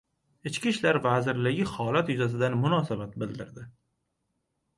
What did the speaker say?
Ichki ishlar vazirligi holat yuzasidan munosabat bildirdi.